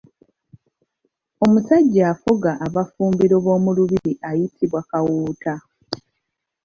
Omusajja afuga abafumbiro b’omu lubiri ayitibwa Kawuuta.